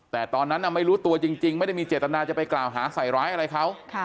แต่ตอนนั้นไม่รู้ตัวจริงไม่ได้มีเจตนาจะไปกล่าวหาใส่ร้ายอะไรเขา